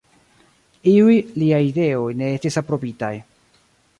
Iuj liaj ideoj ne estis aprobitaj.